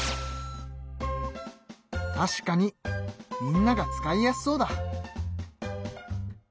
確かにみんなが使いやすそうだ。